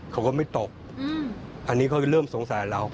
เขาก็ไม่ตบอันนี้เขาเริ่มสงสัยเรา